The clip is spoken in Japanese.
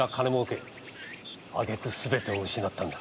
挙げ句すべてを失ったんだ。